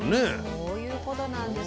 そういうことなんです。